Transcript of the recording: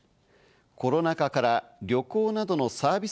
コロナ禍から旅行などのサービス